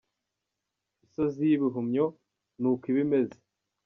Isozi y'ibihumyo ni uku iba imeze.